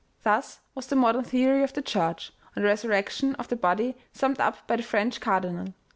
Thus was the modern theory of the Church on the resurrection of the body summed up by the French cardinal.